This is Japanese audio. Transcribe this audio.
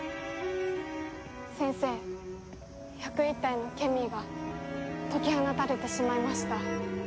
先生１０１体のケミーが解き放たれてしまいました。